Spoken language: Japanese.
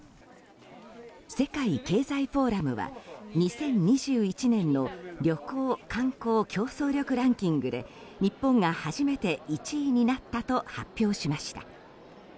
世界経済フォーラムは２０２１年の旅行・観光競争力ランキングで日本が初めて１位になったと発表しました。